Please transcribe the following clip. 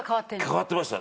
変わってました。